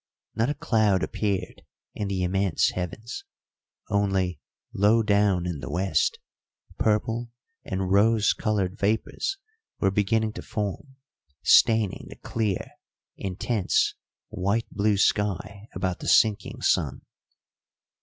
Not a cloud appeared in the immense heavens; only, low down in the west, purple and rose coloured vapours were beginning to form, staining the clear, intense white blue sky about the sinking sun.